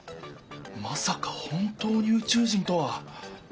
まさか本当に宇宙人とは。